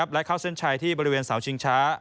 และเข้าเส้นชัยที่บริเวณเสาชิงช้า